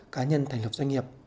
cá nhân thành lập doanh nghiệp